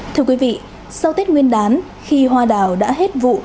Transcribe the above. thưa quý vị sau tết nguyên đán khi hoa đào đã hết vụ